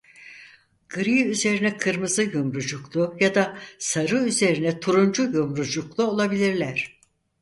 Gri üzerine kırmızı yumrucuklu ya da sarı üzerine turuncu yumrucuklu olabilirler.